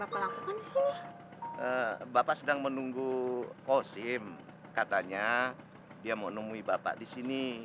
bapak lakukan di sini bapak sedang menunggu posim katanya dia mau nemu bapak di sini